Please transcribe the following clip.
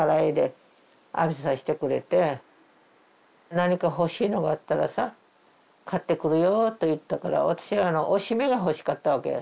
「何か欲しいのがあったらさ買ってくるよ」と言ったから私はおしめが欲しかったわけよ。